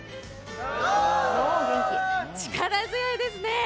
力強いですね。